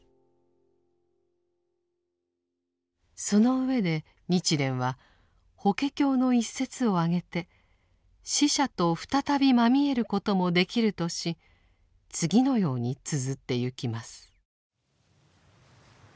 その上で日蓮は「法華経」の一節を挙げて死者と再びまみえることもできるとし次のようにつづってゆきます。